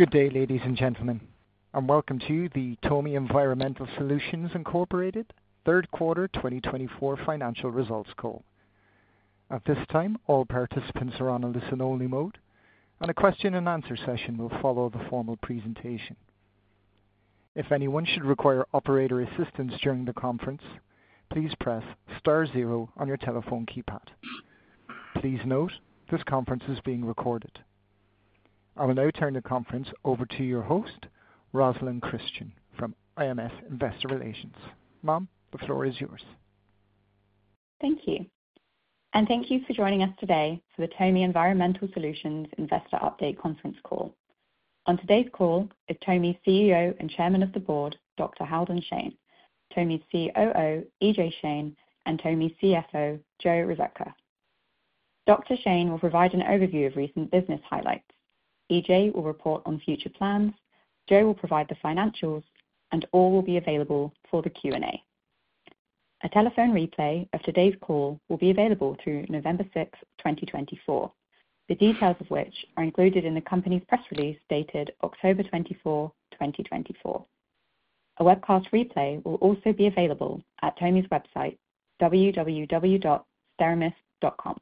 Good day, ladies and gentlemen, and welcome to the TOMI Environmental Solutions Incorporated Third Quarter 2024 Financial Results Call. At this time, all participants are on a listen-only mode, and a question-and-answer session will follow the formal presentation. If anyone should require operator assistance during the conference, please press star zero on your telephone keypad. Please note this conference is being recorded. I will now turn the conference over to your host, Rosalind Christian, from IMS Investor Relations. Ma'am, the floor is yours. Thank you. And thank you for joining us today for the TOMI Environmental Solutions Investor Update Conference Call. On today's call is TOMI's CEO and Chairman of the Board, Dr. Halden Shane, TOMI's COO, E.J. Shane, and TOMI's CFO, Joe Rzepka. Dr. Shane will provide an overview of recent business highlights. E.J. will report on future plans. Joe will provide the financials, and all will be available for the Q&A. A telephone replay of today's call will be available through November 6th, 2024, the details of which are included in the company's press release dated October 24, 2024. A webcast replay will also be available at TOMI's website, www.steramist.com.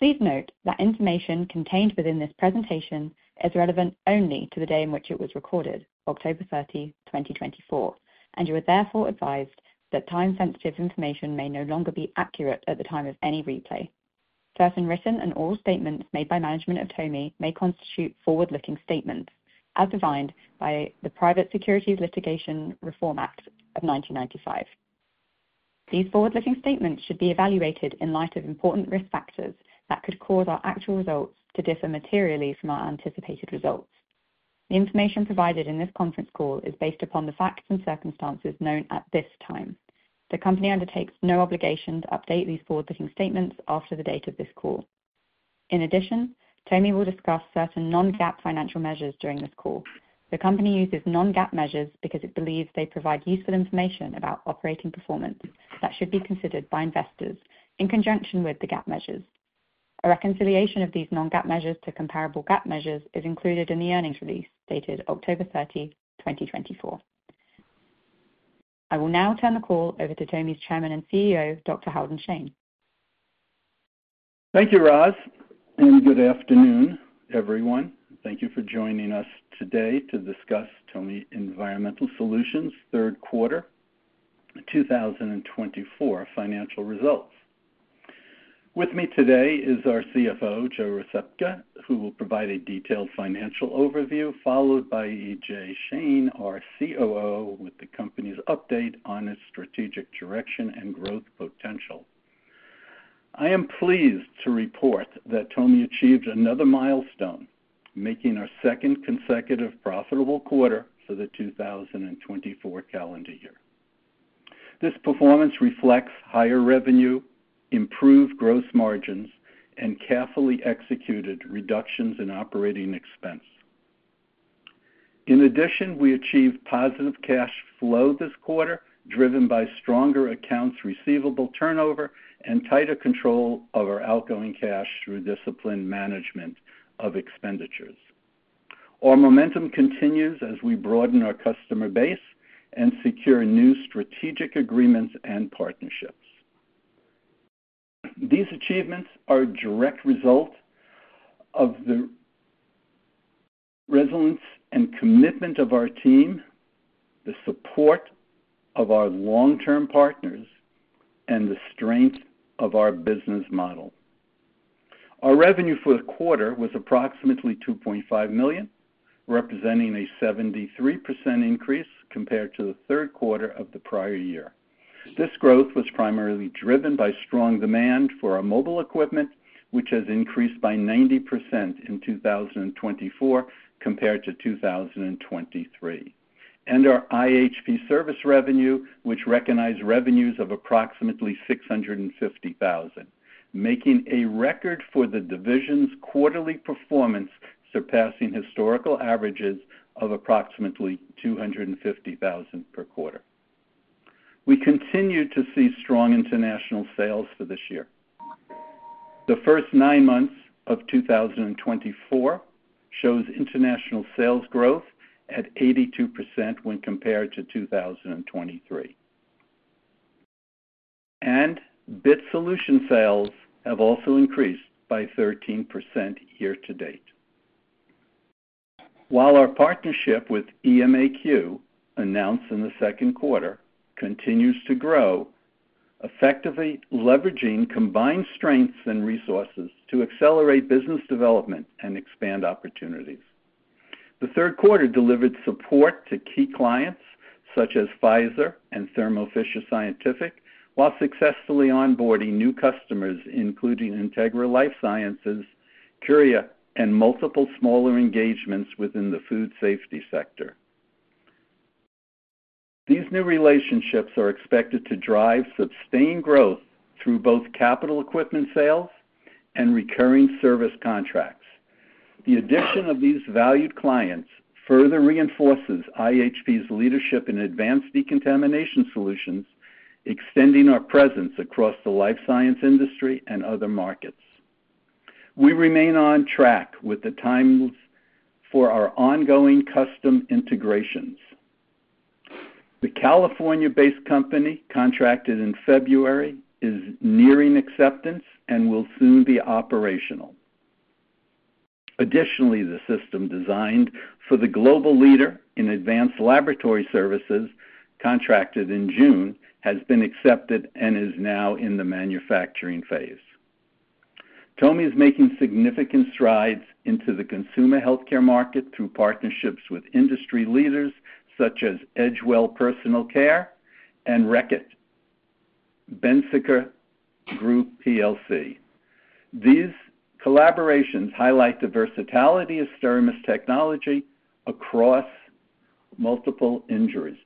Please note that information contained within this presentation is relevant only to the day in which it was recorded, October 30, 2024, and you are therefore advised that time-sensitive information may no longer be accurate at the time of any replay. All written and all statements made by management of TOMI may constitute forward-looking statements as defined by the Private Securities Litigation Reform Act of 1995. These forward-looking statements should be evaluated in light of important risk factors that could cause our actual results to differ materially from our anticipated results. The information provided in this conference call is based upon the facts and circumstances known at this time. The company undertakes no obligation to update these forward-looking statements after the date of this call. In addition, TOMI will discuss certain non-GAAP financial measures during this call. The company uses non-GAAP measures because it believes they provide useful information about operating performance that should be considered by investors in conjunction with the GAAP measures. A reconciliation of these non-GAAP measures to comparable GAAP measures is included in the earnings release dated October 30, 2024. I will now turn the call over to TOMI's Chairman and CEO, Dr. Halden Shane. Thank you, Roz, and good afternoon, everyone. Thank you for joining us today to discuss TOMI Environmental Solutions third quarter 2024 financial results. With me today is our CFO, Joe Rzepka, who will provide a detailed financial overview, followed by E.J. Shane, our COO, with the company's update on its strategic direction and growth potential. I am pleased to report that TOMI achieved another milestone, making our second consecutive profitable quarter for the 2024 calendar year. This performance reflects higher revenue, improved gross margins, and carefully executed reductions in operating expense. In addition, we achieved positive cash flow this quarter, driven by stronger accounts receivable turnover and tighter control of our outgoing cash through disciplined management of expenditures. Our momentum continues as we broaden our customer base and secure new strategic agreements and partnerships. These achievements are a direct result of the resilience and commitment of our team, the support of our long-term partners, and the strength of our business model. Our revenue for the quarter was approximately $2.5 million, representing a 73% increase compared to the third quarter of the prior year. This growth was primarily driven by strong demand for our mobile equipment, which has increased by 90% in 2024 compared to 2023, and our iHP service revenue, which recognized revenues of approximately $650,000, making a record for the division's quarterly performance, surpassing historical averages of approximately $250,000 per quarter. We continue to see strong international sales for this year. The first nine months of 2024 show international sales growth at 82% when compared to 2023, and BIT solution sales have also increased by 13% year to date. While our partnership with EMAQ, announced in the second quarter, continues to grow, effectively leveraging combined strengths and resources to accelerate business development and expand opportunities. The third quarter delivered support to key clients such as Pfizer and Thermo Fisher Scientific, while successfully onboarding new customers, including Integra LifeSciences, Curia, and multiple smaller engagements within the food safety sector. These new relationships are expected to drive sustained growth through both capital equipment sales and recurring service contracts. The addition of these valued clients further reinforces iHP's leadership in advanced decontamination solutions, extending our presence across the life science industry and other markets. We remain on track with the times for our ongoing custom integrations. The California-based company, contracted in February, is nearing acceptance and will soon be operational. Additionally, the system designed for the global leader in advanced laboratory services, contracted in June, has been accepted and is now in the manufacturing phase. TOMI is making significant strides into the consumer healthcare market through partnerships with industry leaders such as Edgewell Personal Care and Reckitt Benckiser Group plc. These collaborations highlight the versatility of SteraMist technology across multiple industries,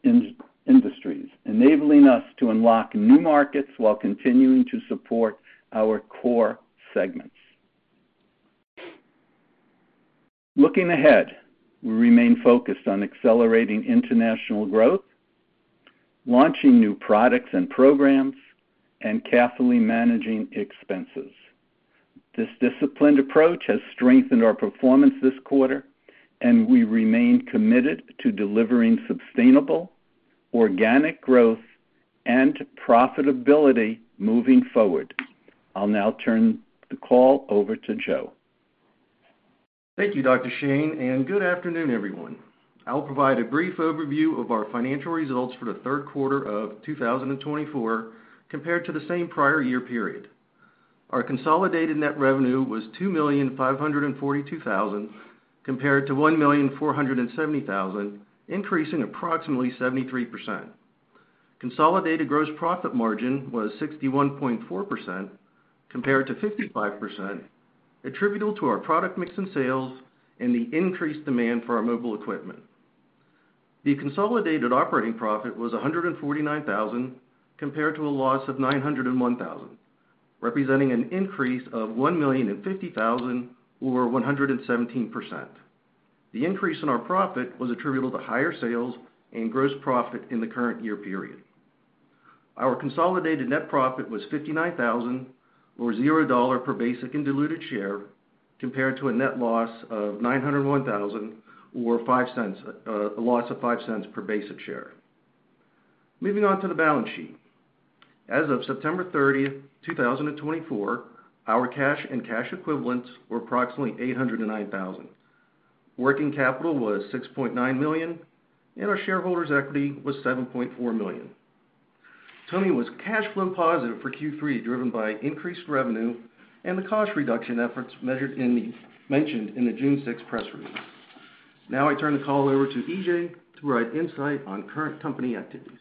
enabling us to unlock new markets while continuing to support our core segments. Looking ahead, we remain focused on accelerating international growth, launching new products and programs, and carefully managing expenses. This disciplined approach has strengthened our performance this quarter, and we remain committed to delivering sustainable, organic growth, and profitability moving forward. I'll now turn the call over to Joe. Thank you, Dr. Shane, and good afternoon, everyone. I'll provide a brief overview of our financial results for the third quarter of 2024 compared to the same prior year period. Our consolidated net revenue was $2,542,000 compared to $1,470,000, increasing approximately 73%. Consolidated gross profit margin was 61.4% compared to 55%, attributable to our product mix and sales and the increased demand for our mobile equipment. The consolidated operating profit was $149,000 compared to a loss of $901,000, representing an increase of $1,050,000, or 117%. The increase in our profit was attributable to higher sales and gross profit in the current year period. Our consolidated net profit was $59,000, or $0 per basic and diluted share, compared to a net loss of $901,000, or a loss of $0.05 per basic share. Moving on to the balance sheet. As of September 30, 2024, our cash and cash equivalents were approximately $809,000. Working capital was $6.9 million, and our shareholders' equity was $7.4 million. TOMI was cash flow positive for Q3, driven by increased revenue and the cost reduction efforts mentioned in the June 6th press release. Now I turn the call over to E.J., to provide insight on current company activities.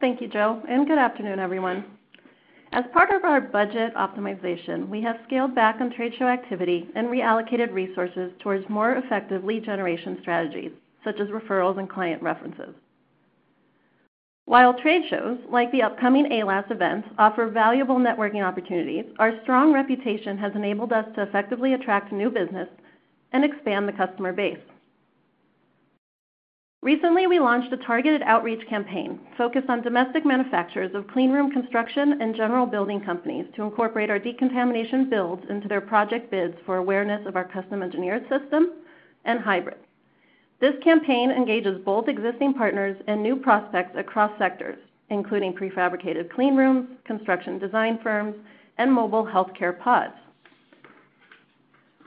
Thank you, Joe, and good afternoon, everyone. As part of our budget optimization, we have scaled back on trade show activity and reallocated resources towards more effective lead generation strategies, such as referrals and client references. While trade shows, like the upcoming AALAS events, offer valuable networking opportunities, our strong reputation has enabled us to effectively attract new business and expand the customer base. Recently, we launched a targeted outreach campaign focused on domestic manufacturers of cleanroom construction and general building companies to incorporate our decontamination builds into their project bids for awareness of our Custom Engineered System and Hybrid. This campaign engages both existing partners and new prospects across sectors, including prefabricated cleanrooms, construction design firms, and mobile healthcare pods.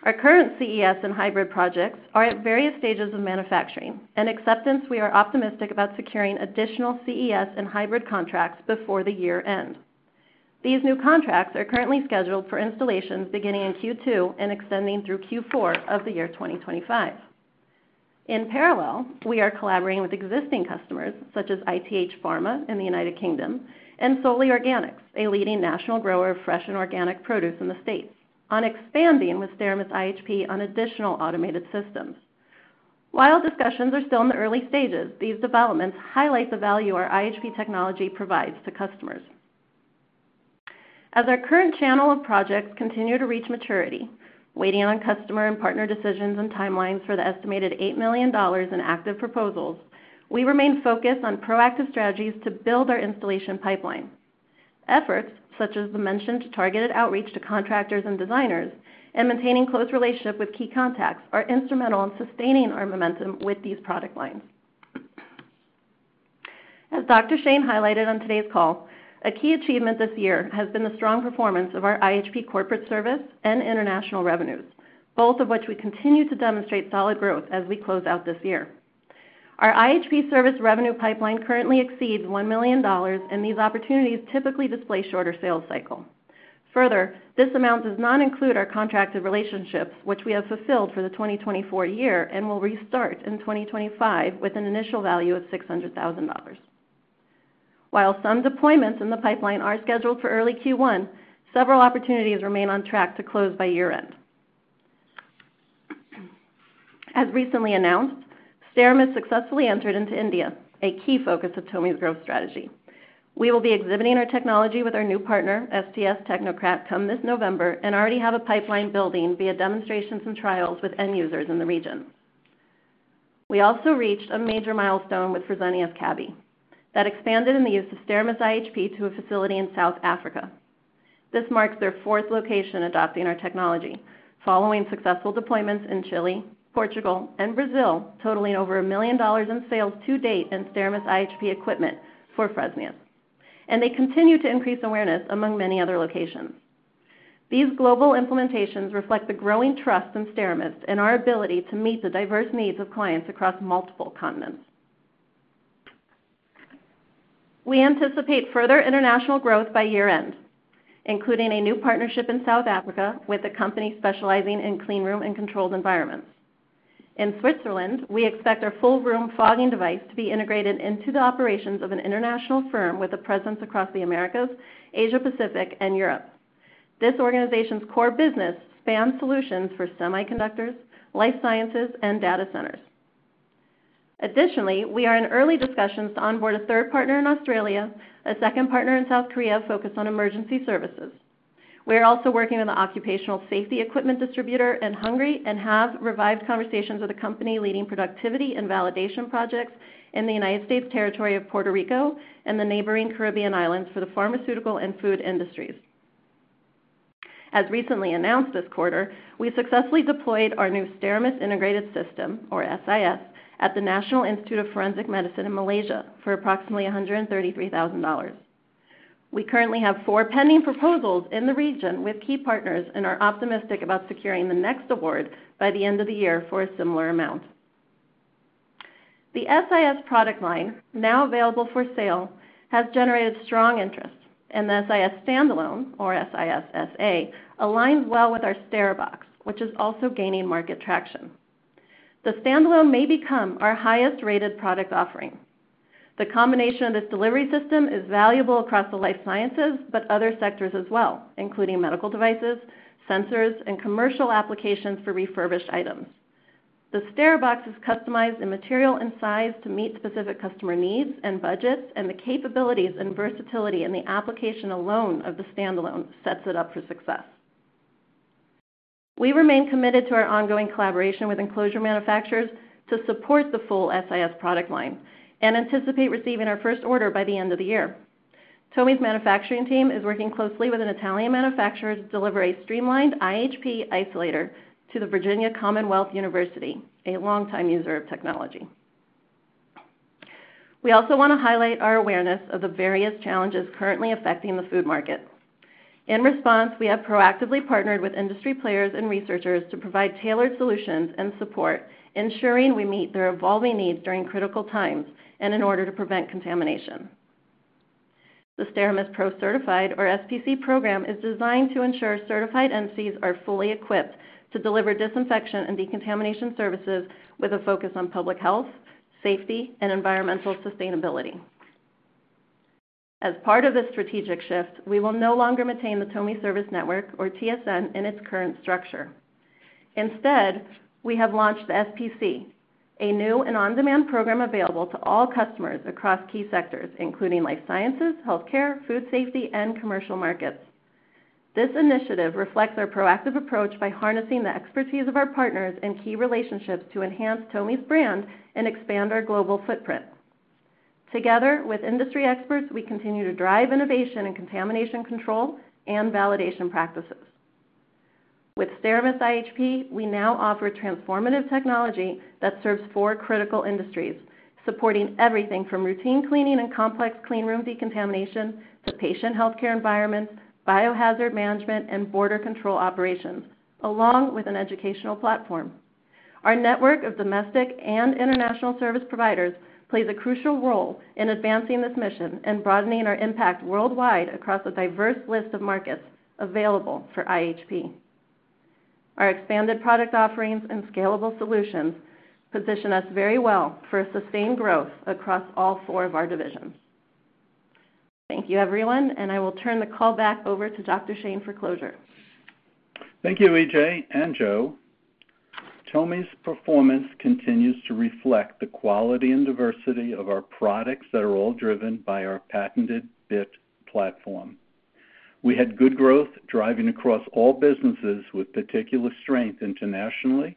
Our current CES and Hybrid projects are at various stages of manufacturing and acceptance. We are optimistic about securing additional CES and Hybrid contracts before the year end. These new contracts are currently scheduled for installations beginning in Q2 and extending through Q4 of the year 2025. In parallel, we are collaborating with existing customers, such as ITH Pharma in the United Kingdom and Soli Organic, a leading national grower of fresh and organic produce in the States, on expanding with SteraMist iHP on additional automated systems. While discussions are still in the early stages, these developments highlight the value our iHP technology provides to customers. As our current channel of projects continue to reach maturity, waiting on customer and partner decisions and timelines for the estimated $8 million in active proposals, we remain focused on proactive strategies to build our installation pipeline. Efforts such as the mentioned targeted outreach to contractors and designers and maintaining close relationships with key contacts are instrumental in sustaining our momentum with these product lines. As Dr. Shane highlighted on today's call, a key achievement this year has been the strong performance of our iHP Corporate Service and international revenues, both of which we continue to demonstrate solid growth as we close out this year. Our iHP service revenue pipeline currently exceeds $1 million, and these opportunities typically display a shorter sales cycle. Further, this amount does not include our contracted relationships, which we have fulfilled for the 2024 year and will restart in 2025 with an initial value of $600,000. While some deployments in the pipeline are scheduled for early Q1, several opportunities remain on track to close by year-end. As recently announced, SteraMist successfully entered into India, a key focus of TOMI's growth strategy. We will be exhibiting our technology with our new partner, STS Technocrats, come this November and already have a pipeline building via demonstrations and trials with end users in the region. We also reached a major milestone with Fresenius Kabi that expanded in the use of SteraMist iHP to a facility in South Africa. This marks their fourth location adopting our technology, following successful deployments in Chile, Portugal, and Brazil, totaling over $1 million in sales to date in SteraMist iHP equipment for Fresenius, and they continue to increase awareness among many other locations. These global implementations reflect the growing trust in SteraMist and our ability to meet the diverse needs of clients across multiple continents. We anticipate further international growth by year-end, including a new partnership in South Africa with a company specializing in cleanroom and controlled environments. In Switzerland, we expect our full-room fogging device to be integrated into the operations of an international firm with a presence across the Americas, Asia-Pacific, and Europe. This organization's core business spans solutions for semiconductors, life sciences, and data centers. Additionally, we are in early discussions to onboard a third partner in Australia, a second partner in South Korea focused on emergency services. We are also working with an occupational safety equipment distributor in Hungary and have revived conversations with a company leading productivity and validation projects in the United States Territory of Puerto Rico and the neighboring Caribbean Islands for the pharmaceutical and food industries. As recently announced this quarter, we successfully deployed our new SteraMist Integrated System, or SIS, at the National Institute of Forensic Medicine in Malaysia for approximately $133,000. We currently have four pending proposals in the region with key partners and are optimistic about securing the next award by the end of the year for a similar amount. The SIS product line, now available for sale, has generated strong interest, and the SIS iHP, or SIS-SA, aligns well with our SteraBox, which is also gaining market traction. The Standalone may become our highest-rated product offering. The combination of this delivery system is valuable across the life sciences, but other sectors as well, including medical devices, sensors, and commercial applications for refurbished items. The SteraBox is customized in material and size to meet specific customer needs and budgets, and the capabilities and versatility in the application alone of the Standalone sets it up for success. We remain committed to our ongoing collaboration with enclosure manufacturers to support the full SIS product line and anticipate receiving our first order by the end of the year. TOMI's manufacturing team is working closely with an Italian manufacturer to deliver a streamlined iHP isolator to the Virginia Commonwealth University, a longtime user of technology. We also want to highlight our awareness of the various challenges currently affecting the food market. In response, we have proactively partnered with industry players and researchers to provide tailored solutions and support, ensuring we meet their evolving needs during critical times and in order to prevent contamination. The SteraMist Pro Certified, or SPC, program is designed to ensure certified entities are fully equipped to deliver disinfection and decontamination services with a focus on public health, safety, and environmental sustainability. As part of this strategic shift, we will no longer maintain the TOMI Service Network, or TSN, in its current structure. Instead, we have launched the SPC, a new and on-demand program available to all customers across key sectors, including life sciences, healthcare, food safety, and commercial markets. This initiative reflects our proactive approach by harnessing the expertise of our partners and key relationships to enhance TOMI's brand and expand our global footprint. Together with industry experts, we continue to drive innovation in contamination control and validation practices. With SteraMist iHP, we now offer transformative technology that serves four critical industries, supporting everything from routine cleaning and complex cleanroom decontamination to patient healthcare environments, biohazard management, and border control operations, along with an educational platform. Our network of domestic and international service providers plays a crucial role in advancing this mission and broadening our impact worldwide across a diverse list of markets available for iHP. Our expanded product offerings and scalable solutions position us very well for sustained growth across all four of our divisions. Thank you, everyone, and I will turn the call back over to Dr. Shane for closure. Thank you, E.J. and Joe. TOMI's performance continues to reflect the quality and diversity of our products that are all driven by our patented BIT platform. We had good growth driving across all businesses with particular strength internationally,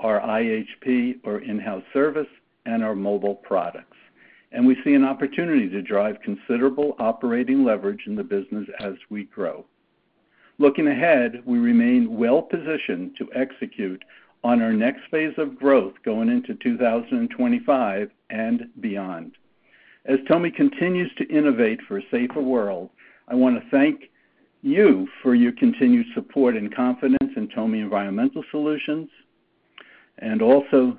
our iHP, or in-house service, and our mobile products, and we see an opportunity to drive considerable operating leverage in the business as we grow. Looking ahead, we remain well-positioned to execute on our next phase of growth going into 2025 and beyond. As TOMI continues to innovate for a safer world, I want to thank you for your continued support and confidence in TOMI Environmental Solutions, and also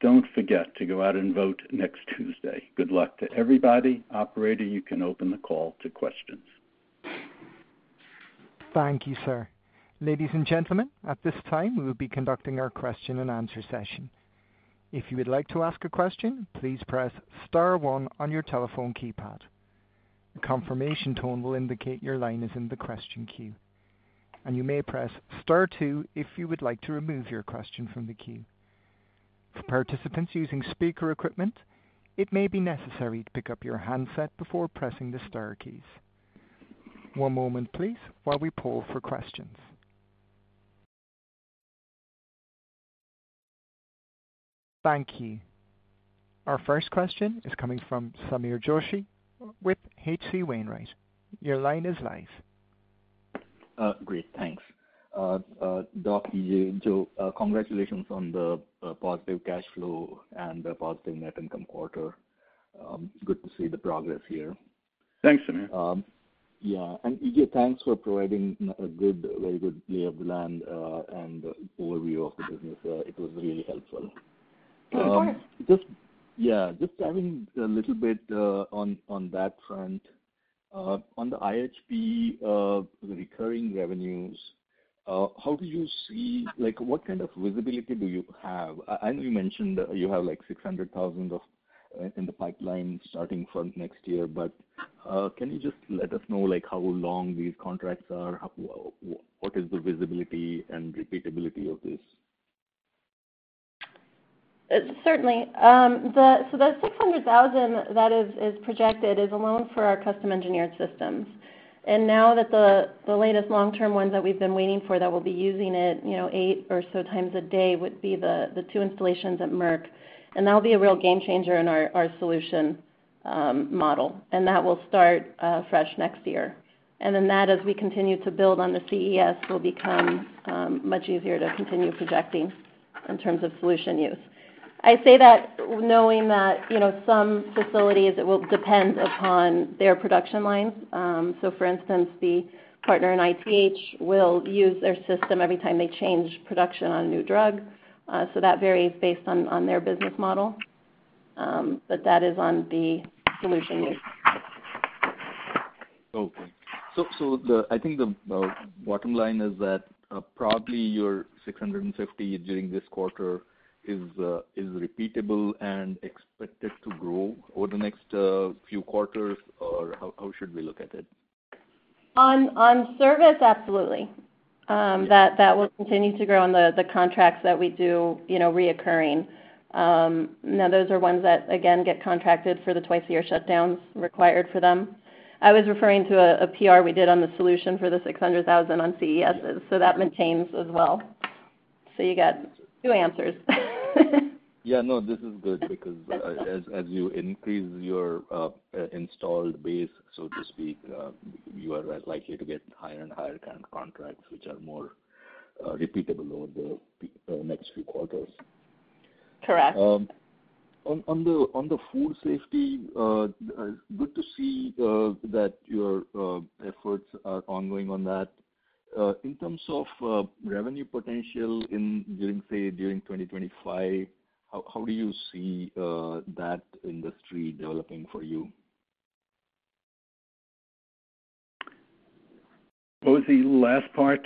don't forget to go out and vote next Tuesday. Good luck to everybody. Operator, you can open the call to questions. Thank you, sir. Ladies and gentlemen, at this time, we will be conducting our question-and-answer session. If you would like to ask a question, please press STAR 1 on your telephone keypad. A confirmation tone will indicate your line is in the question queue, and you may press STAR 2 if you would like to remove your question from the queue. For participants using speaker equipment, it may be necessary to pick up your handset before pressing the STAR keys. One moment, please, while we poll for questions. Thank you. Our first question is coming from Samir Joshi with H.C. Wainwright. Your line is live. Great. Thanks. Dr. E.J., Joe, congratulations on the positive cash flow and the positive net income quarter. It's good to see the progress here. Thanks, Samir. Yeah, and E.J., thanks for providing a good, very good lay of the land and overview of the business. It was really helpful. Of course. Yeah. Just diving a little bit on that front, on the iHP, the recurring revenues, how do you see what kind of visibility do you have? I know you mentioned you have like $600,000 in the pipeline starting from next year, but can you just let us know how long these contracts are? What is the visibility and repeatability of this? Certainly. So the $600,000 that is projected is alone for our custom engineered systems. And now that the latest long-term ones that we've been waiting for that will be using it eight or so times a day would be the two installations at Merck, and that'll be a real game changer in our solution model. And that will start fresh next year. And then that, as we continue to build on the CES, will become much easier to continue projecting in terms of solution use. I say that knowing that some facilities, it will depend upon their production lines. So, for instance, the partner in ITH will use their system every time they change production on a new drug. So that varies based on their business model, but that is on the solution use. Okay, so I think the bottom line is that probably your 650 during this quarter is repeatable and expected to grow over the next few quarters, or how should we look at it? On service, absolutely. That will continue to grow on the contracts that we do recurring. Now, those are ones that, again, get contracted for the twice-a-year shutdowns required for them. I was referring to a PR we did on the solution for the $600,000 on CESs, so that maintains as well. So you got two answers. Yeah. No, this is good because as you increase your installed base, so to speak, you are likely to get higher and higher kind of contracts which are more repeatable over the next few quarters. Correct. On the food safety, it's good to see that your efforts are ongoing on that. In terms of revenue potential during, say, 2025, how do you see that industry developing for you? What was the last part?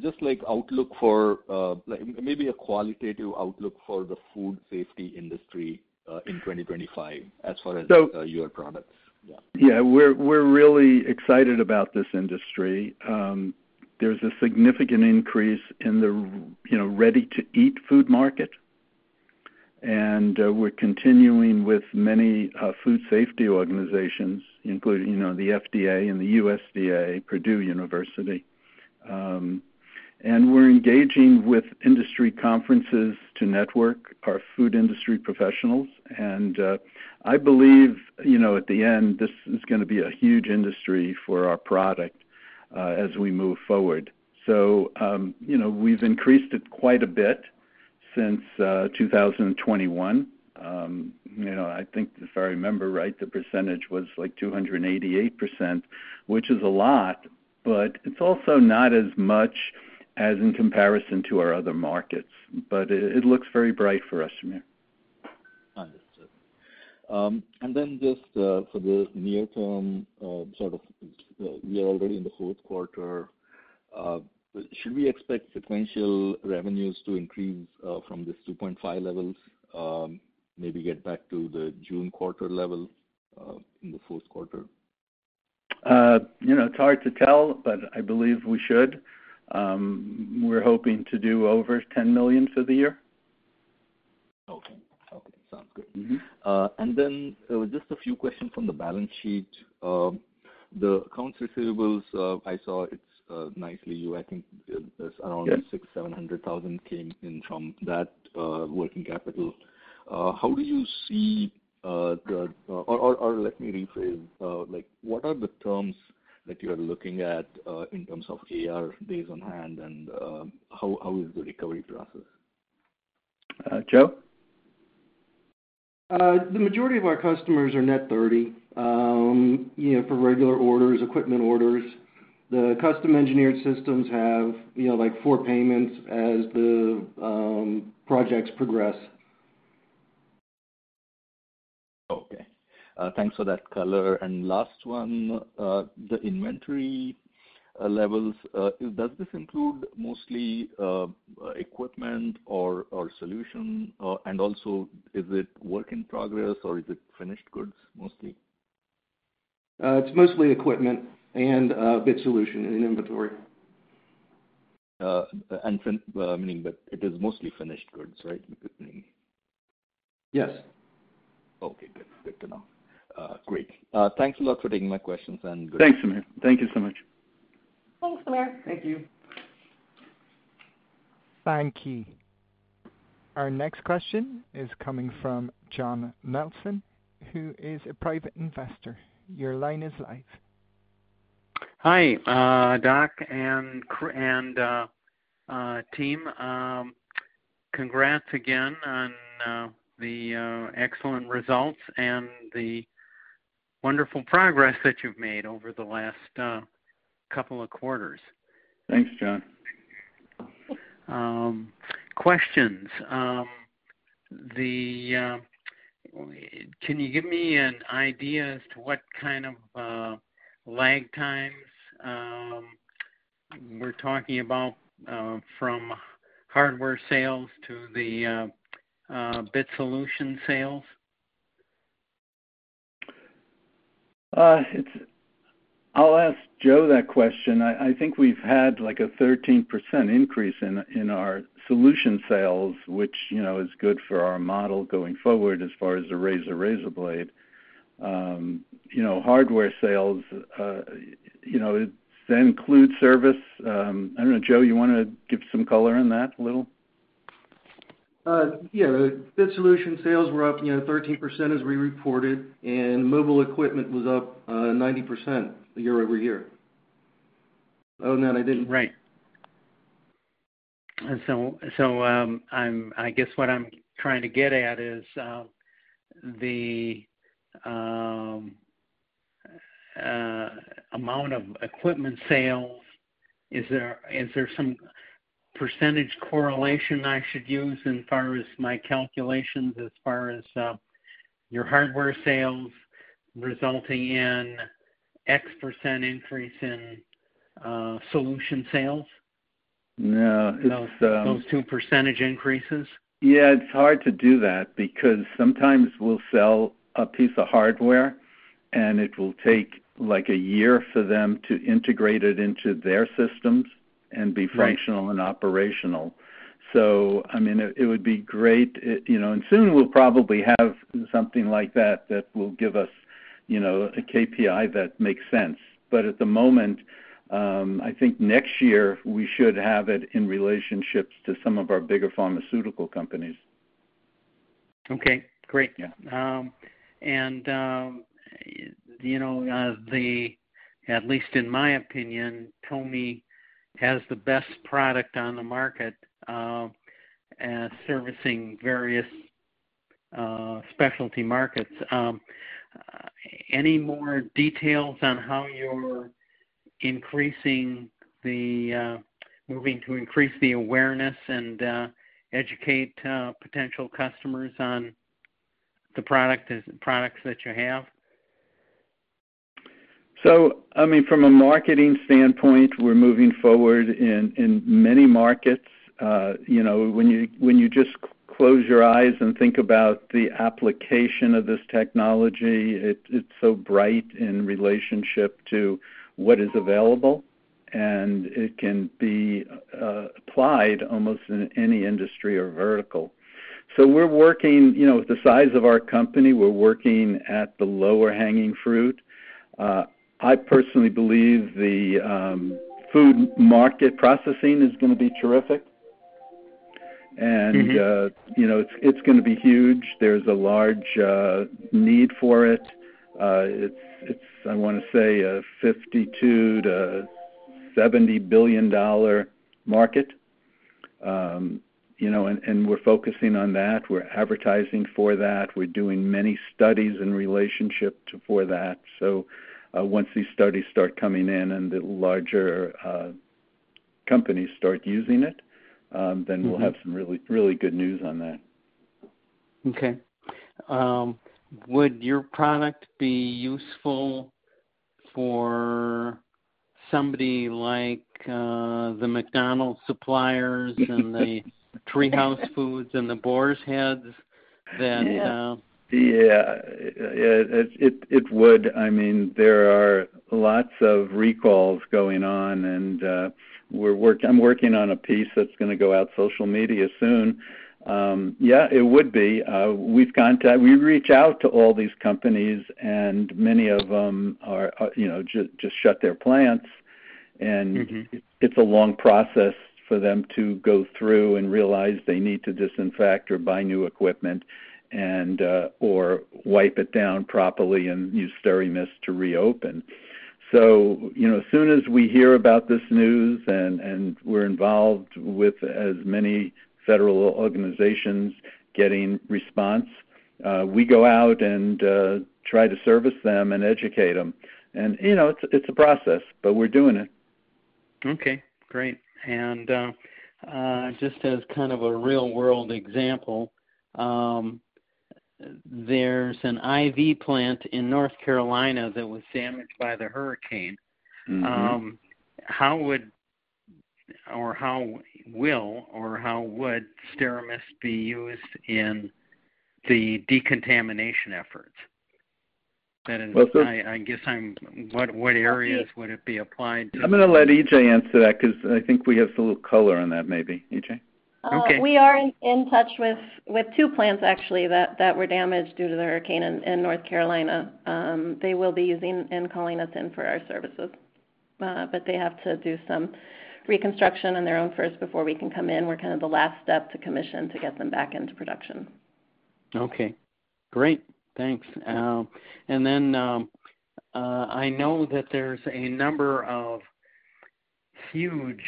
Just like outlook for maybe a qualitative outlook for the food safety industry in 2025 as far as your products. Yeah. Yeah. We're really excited about this industry. There's a significant increase in the ready-to-eat food market, and we're continuing with many food safety organizations, including the FDA and the USDA, Purdue University, and we're engaging with industry conferences to network our food industry professionals. And I believe at the end, this is going to be a huge industry for our product as we move forward, so we've increased it quite a bit since 2021. I think, if I remember right, the percentage was like 288%, which is a lot, but it's also not as much as in comparison to our other markets, but it looks very bright for us, Samir. Understood. And then just for the near-term, sort of we are already in the fourth quarter. Should we expect sequential revenues to increase from this 2.5 levels, maybe get back to the June quarter level in the fourth quarter? It's hard to tell, but I believe we should. We're hoping to do over $10 million for the year. Okay. Okay. Sounds good, and then just a few questions on the balance sheet. The accounts receivables, I saw it nicely. I think around $6,700,000 came in from that working capital. How do you see the or let me rephrase. What are the terms that you are looking at in terms of AR days on hand, and how is the recovery process? Joe? The majority of our customers are net 30 for regular orders, equipment orders. The Custom Engineered Systems have four payments as the projects progress. Okay. Thanks for that color. And last one, the inventory levels, does this include mostly equipment or solution? And also, is it work in progress, or is it finished goods mostly? It's mostly equipment and BIT Solution in inventory. Meaning that it is mostly finished goods, right? Yes. Okay. Good to know. Great. Thanks a lot for taking my questions, and good. Thanks, Samir. Thank you so much. Thanks, Samir. Thank you. Thank you. Our next question is coming from John Nelson, who is a private investor. Your line is live. Hi, Doc and team. Congrats again on the excellent results and the wonderful progress that you've made over the last couple of quarters. Thanks, John. Questions. Can you give me an idea as to what kind of lag times we're talking about from hardware sales to the BIT solution sales? I'll ask Joe that question. I think we've had like a 13% increase in our solution sales, which is good for our model going forward as far as the razor blade. Hardware sales, does that include service? I don't know. Joe, you want to give some color on that a little? Yeah. BIT solution sales were up 13% as we reported, and mobile equipment was up 90% year over year. Oh, no, I didn't. Right, so I guess what I'm trying to get at is the amount of equipment sales. Is there some percentage correlation I should use as far as my calculations as far as your hardware sales resulting in X% increase in solution sales? No. Those two percentage increases? Yeah. It's hard to do that because sometimes we'll sell a piece of hardware, and it will take like a year for them to integrate it into their systems and be functional and operational. So, I mean, it would be great. And soon we'll probably have something like that that will give us a KPI that makes sense. But at the moment, I think next year we should have it in relationships to some of our bigger pharmaceutical companies. Okay. Great. And at least in my opinion, TOMI has the best product on the market servicing various specialty markets. Any more details on how you're increasing the momentum to increase the awareness and educate potential customers on the products that you have? I mean, from a marketing standpoint, we're moving forward in many markets. When you just close your eyes and think about the application of this technology, it's so bright in relationship to what is available, and it can be applied almost in any industry or vertical. We're working with the size of our company, we're working at the low-hanging fruit. I personally believe the food market processing is going to be terrific, and it's going to be huge. There's a large need for it. It's, I want to say, a $52 billion-$70 billion market, and we're focusing on that. We're advertising for that. We're doing many studies in relationship for that. Once these studies start coming in and the larger companies start using it, then we'll have some really good news on that. Okay. Would your product be useful for somebody like the McDonald's suppliers and the TreeHouse Foods and the Boar's Head? Yeah. Yeah. It would. I mean, there are lots of recalls going on, and I'm working on a piece that's going to go out on social media soon. Yeah, it would be. We reach out to all these companies, and many of them just shut their plants, and it's a long process for them to go through and realize they need to disinfect or buy new equipment or wipe it down properly and use SteraMist to reopen. So as soon as we hear about this news and we're involved with as many federal organizations getting response, we go out and try to service them and educate them. And it's a process, but we're doing it. Okay. Great. And just as kind of a real-world example, there's an IV plant in North Carolina that was damaged by the hurricane. How would or how will or how would SteraMist be used in the decontamination efforts? I guess what areas would it be applied to? I'm going to let EJ answer that because I think we have some color on that, maybe. EJ? We are in touch with two plants, actually, that were damaged due to the hurricane in North Carolina. They will be using and calling us in for our services, but they have to do some reconstruction on their own first before we can come in. We're kind of the last step to commission to get them back into production. Okay. Great. Thanks. And then I know that there's a number of huge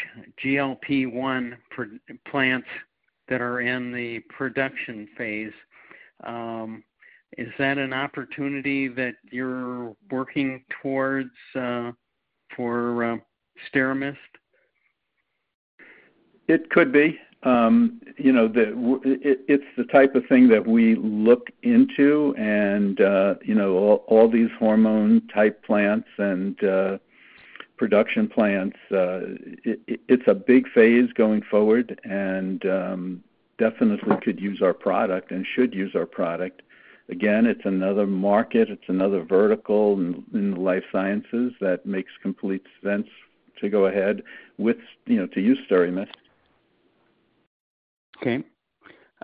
GLP-1 plants that are in the production phase. Is that an opportunity that you're working towards for SteraMist? It could be. It's the type of thing that we look into. And all these hormone-type plants and production plants, it's a big phase going forward and definitely could use our product and should use our product. Again, it's another market. It's another vertical in the life sciences that makes complete sense to go ahead with to use SteraMist. Okay.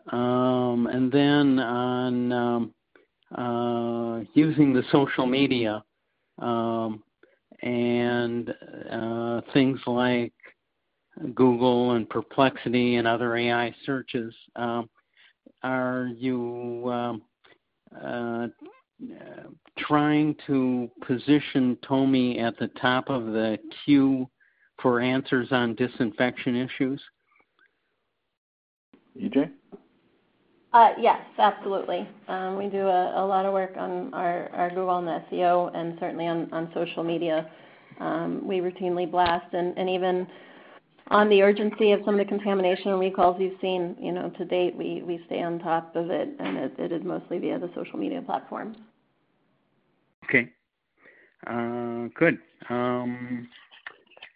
And then on using the social media and things like Google and Perplexity and other AI searches, are you trying to position TOMI at the top of the queue for answers on disinfection issues? EJ? Yes. Absolutely. We do a lot of work on our Google and the SEO and certainly on social media. We routinely blast. And even on the urgency of some of the contamination recalls you've seen to date, we stay on top of it, and it is mostly via the social media platforms. Okay. Good.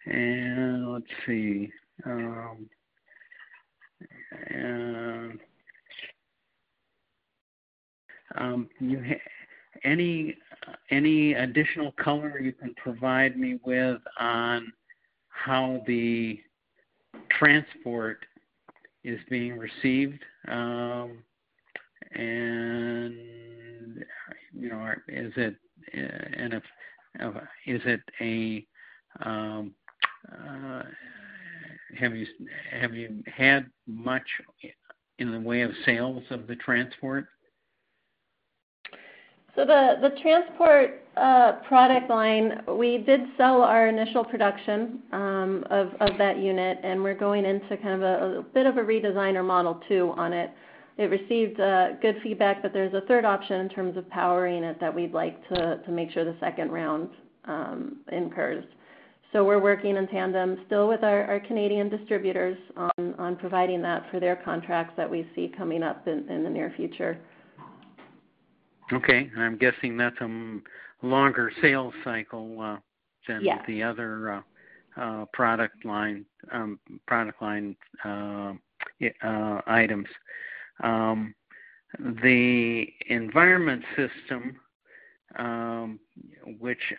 And let's see. Any additional color you can provide me with on how the transport is being received? And is it? Have you had much in the way of sales of the transport? So the transport product line, we did sell our initial production of that unit, and we're going into kind of a bit of a redesign or model two on it. It received good feedback, but there's a third option in terms of power unit that we'd like to make sure the second round includes. So we're working in tandem still with our Canadian distributors on providing that for their contracts that we see coming up in the near future. Okay. And I'm guessing that's a longer sales cycle than the other product line items. The Environment System, which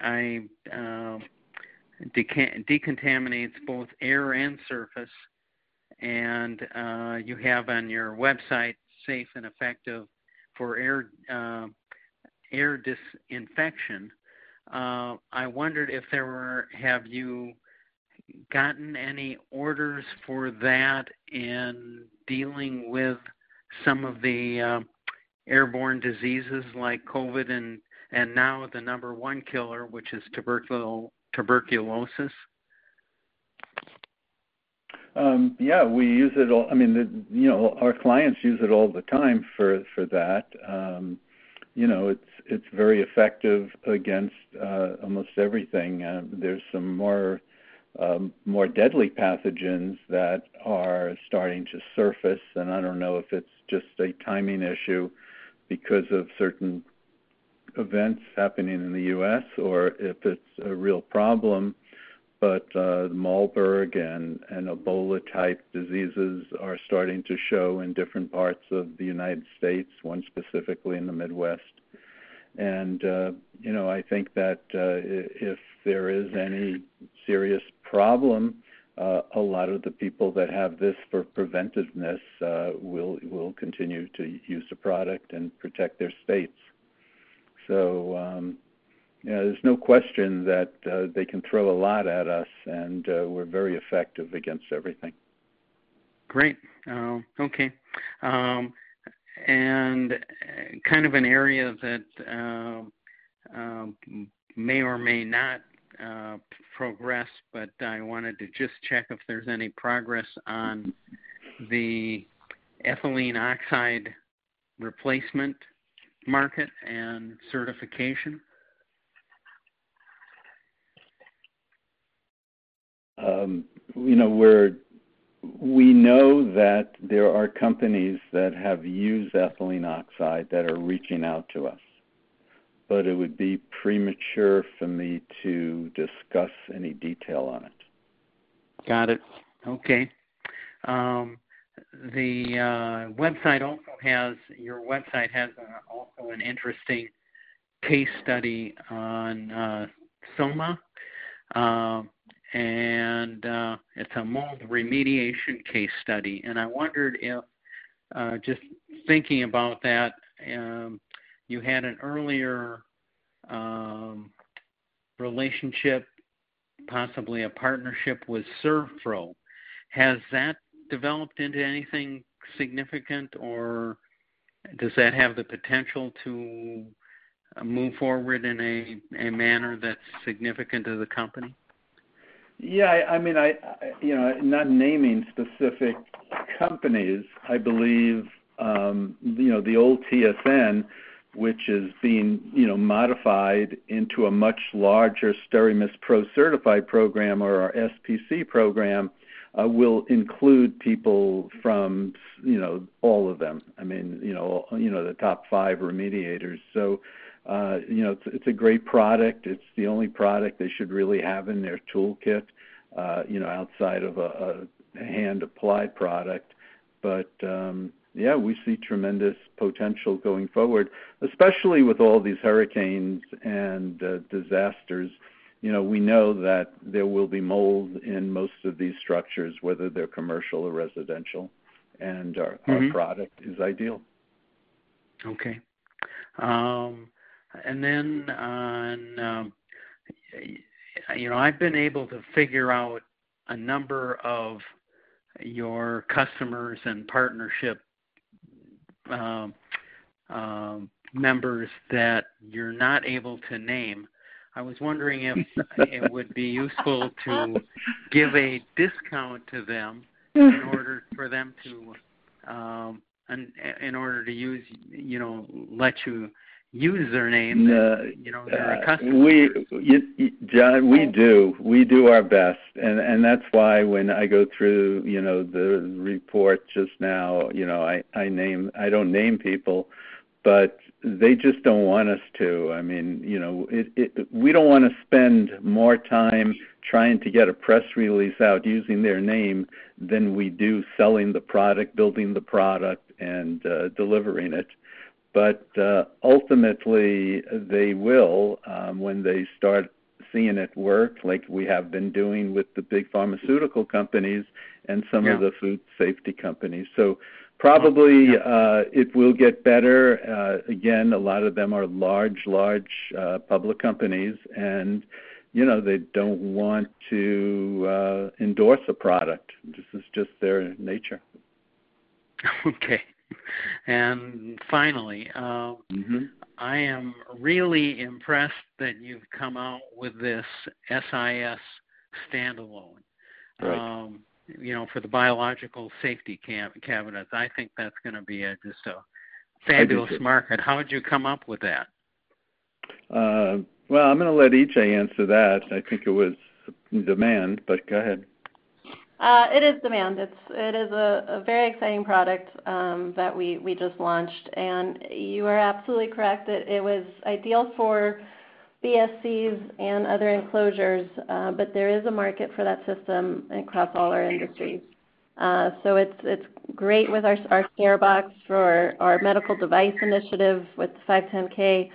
decontaminates both air and surface, and you have on your website safe and effective for air disinfection. Have you gotten any orders for that in dealing with some of the airborne diseases like COVID and now the number one killer, which is tuberculosis? Yeah. We use it all. I mean, our clients use it all the time for that. It's very effective against almost everything. There's some more deadly pathogens that are starting to surface, and I don't know if it's just a timing issue because of certain events happening in the U.S. or if it's a real problem. But the Marburg and Ebola-type diseases are starting to show in different parts of the United States, one specifically in the Midwest. And I think that if there is any serious problem, a lot of the people that have this for preventiveness will continue to use the product and protect their states. So there's no question that they can throw a lot at us, and we're very effective against everything. Great. Okay. And kind of an area that may or may not progress, but I wanted to just check if there's any progress on the Ethylene Oxide replacement market and certification? We know that there are companies that have used ethylene oxide that are reaching out to us, but it would be premature for me to discuss any detail on it. Got it. Okay. The website also has an interesting case study on Soma, and it's a mold remediation case study. I wondered if just thinking about that, you had an earlier relationship, possibly a partnership with SERVPRO. Has that developed into anything significant, or does that have the potential to move forward in a manner that's significant to the company? Yeah. I mean, not naming specific companies, I believe the old TSN, which is being modified into a much larger SteraMist Pro Certified program or our SPC program, will include people from all of them. I mean, the top five remediators. So it's a great product. It's the only product they should really have in their toolkit outside of a hand-applied product. But yeah, we see tremendous potential going forward, especially with all these hurricanes and disasters. We know that there will be mold in most of these structures, whether they're commercial or residential, and our product is ideal. Okay. And then I've been able to figure out a number of your customers and partnership members that you're not able to name. I was wondering if it would be useful to give a discount to them in order to let you use their name as a customer. John, we do. We do our best, and that's why when I go through the report just now, I don't name people, but they just don't want us to. I mean, we don't want to spend more time trying to get a press release out using their name than we do selling the product, building the product, and delivering it, but ultimately, they will when they start seeing it work like we have been doing with the big pharmaceutical companies and some of the food safety companies, so probably it will get better. Again, a lot of them are large, large public companies, and they don't want to endorse a product. This is just their nature. Okay, and finally, I am really impressed that you've come out with this SIS Standalone for the biological safety cabinets. I think that's going to be just a fabulous market. How did you come up with that? I'm going to let EJ answer that. I think it was demand, but go ahead. It is demand. It is a very exciting product that we just launched. And you are absolutely correct. It was ideal for BSCs and other enclosures, but there is a market for that system across all our industries. So it's great with our SteraBox for our medical device initiative with 510(k),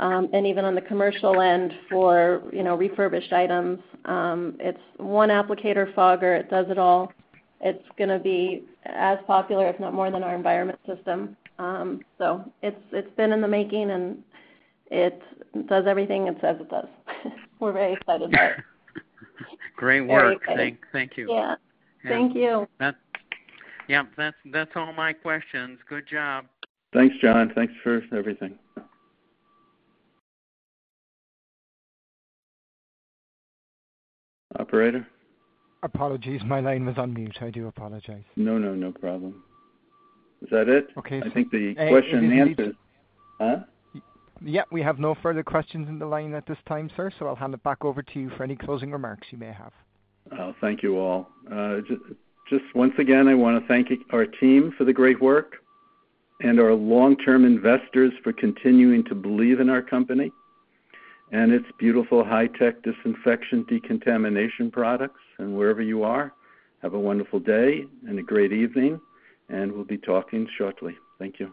and even on the commercial end for refurbished items. It's one applicator fogger. It does it all. It's going to be as popular, if not more, than our SteraMist Environment System. So it's been in the making, and it does everything it says it does. We're very excited about it. Great work. Thank you. Yeah. Thank you. Yep. That's all my questions. Good job. Thanks, John. Thanks for everything. Operator? Apologies. My line was on mute. I do apologize. No, no. No problem. Is that it? I think the question and answer is, huh? Yeah. We have no further questions in the line at this time, sir. So I'll hand it back over to you for any closing remarks you may have. Oh, thank you all. Just once again, I want to thank our team for the great work and our long-term investors for continuing to believe in our company and its beautiful high-tech disinfection decontamination products. And wherever you are, have a wonderful day and a great evening, and we'll be talking shortly. Thank you.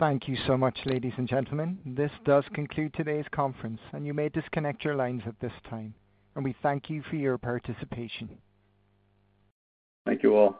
Thank you so much, ladies and gentlemen. This does conclude today's conference, and you may disconnect your lines at this time, and we thank you for your participation. Thank you all.